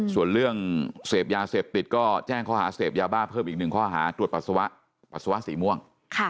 ส่วนเรื่องเสพยาเสพติดก็แจ้งข้อหาเสพยาบ้าเพิ่มอีกหนึ่งข้อหาตรวจปัสสาวะสีม่วง